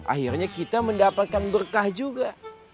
akhirnya kita mendapatkan berkah juga